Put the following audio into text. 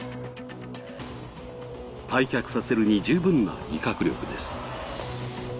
退却させるに十分な威嚇力です。